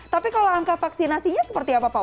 tapi kalau angka vaksinasinya seperti apa pak